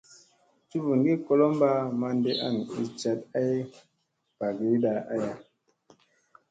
Cufungi kolomɓa manɗi an i caɗ ay bagiiɗa aya.